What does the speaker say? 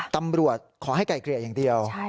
ตำรวจขอให้ไก่เกลี่ยอย่างเดียว